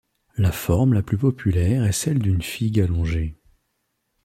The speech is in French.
La forme la plus populaire est celle d’une figue allongée.